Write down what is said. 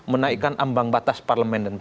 menaikkan ambang batas parlemen